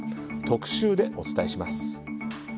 特集でお伝えします。